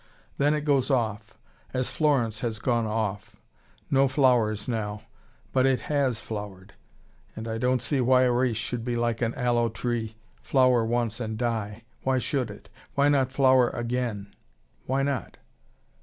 Then it goes off. As Florence has gone off. No flowers now. But it HAS flowered. And I don't see why a race should be like an aloe tree, flower once and die. Why should it? Why not flower again? Why not?"